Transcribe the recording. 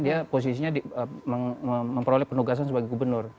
dia posisinya memperoleh penugasan sebagai gubernur